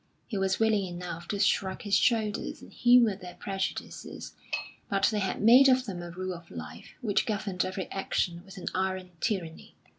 He was willing enough to shrug his shoulders and humour their prejudices, but they had made of them a rule of life which governed every action with an iron tyranny.